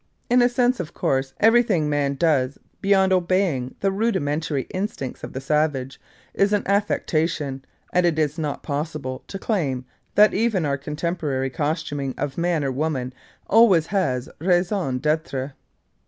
In a sense, of course, everything man does, beyond obeying the rudimentary instincts of the savage, is an affectation, and it is not possible to claim that even our contemporary costuming of man or woman always has raison d'être.